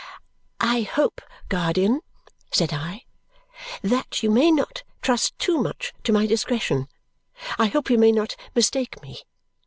"I hope, guardian," said I, "that you may not trust too much to my discretion. I hope you may not mistake me.